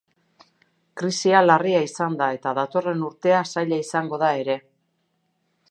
Krisia larria izan da eta datorren urtea zaila izango da ere.